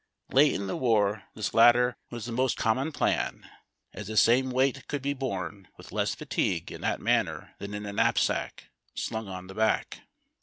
Late in the war this latter Avas the 334 HARD TACK AND COFFEE. most common plan, as the same weight coukl be borne with less fatigue in that manner than in a knapsack, slung on the back.